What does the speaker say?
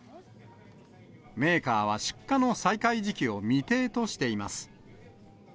メーカーは出荷の再開時期を未定としています。